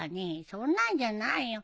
そんなんじゃないよ。